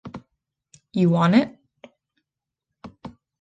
You want it?